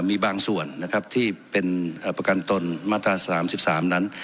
มีบางส่วนนะครับที่เป็นประกันตนมาตรา๓๓นั้น